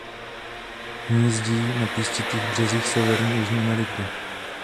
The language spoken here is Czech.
Hnízdí na písčitých březích Severní a Jižní Ameriky.